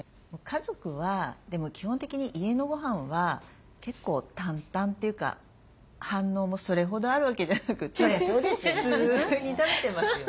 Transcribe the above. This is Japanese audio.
家族はでも基本的に家のごはんは結構淡々っていうか反応もそれほどあるわけじゃなくて普通に食べてますよね。